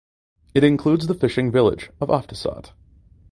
It includes the fishing village of Aftissat.